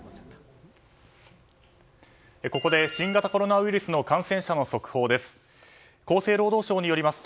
ここで新型コロナウイルスの感染者の速報です。